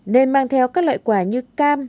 nên mang theo các loại quả như cam